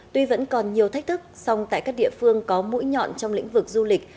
tuy vẫn còn nhiều thách thức song tại các địa phương có mũi nhọn trong lĩnh vực du lịch